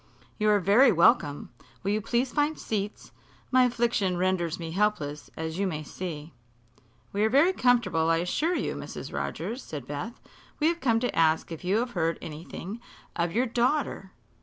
"You are very welcome. Will you please find seats? My affliction renders me helpless, as you may see." "We are very comfortable, I assure you, Mrs. Rogers," said Beth. "We have come to ask if you have heard anything of your daughter."